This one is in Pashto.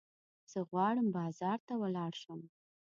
زه غواړم بازار ته ولاړ شم.